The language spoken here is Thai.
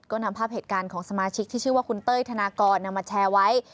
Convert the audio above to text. ก็นำภาพเหตุการณ์ของสมาชิกที่ชื่อว่าคุณเต้ยธนากรนำมาแชร์ไว้